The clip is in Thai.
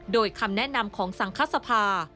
โดยคำแนะนำของสังคสภา